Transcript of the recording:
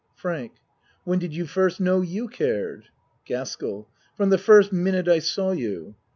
FRANK When did you first know you cared? GASKELL From the first minute I saw you.